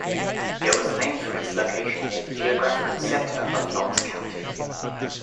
It was named from its location near the geographical center of Knox County.